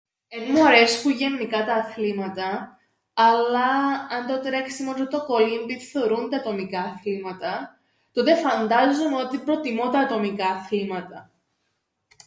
Εν μου αρέσκουν γεννικά τα αθλήματα, αλλά αν το τρέξιμον τζ̌αι το κολύμπιν θεωρούνται ατομικά αθλήματα, τότε φαντάζομαι ότι προτιμώ τα ατομικά αθλήματα.